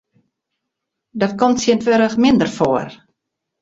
Dat komt tsjintwurdich minder foar.